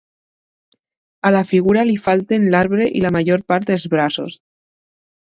A la figura li falten l'arbre i la major part dels braços.